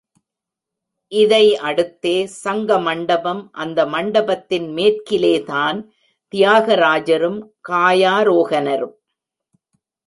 இதை அடுத்தே சங்க மண்டபம் அந்த மண்டபத்தின் மேற்கிலேதான் தியாகராஜரும், காயாரோகனரும்.